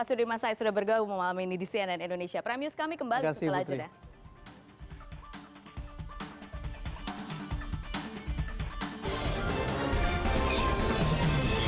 oke baik terima kasih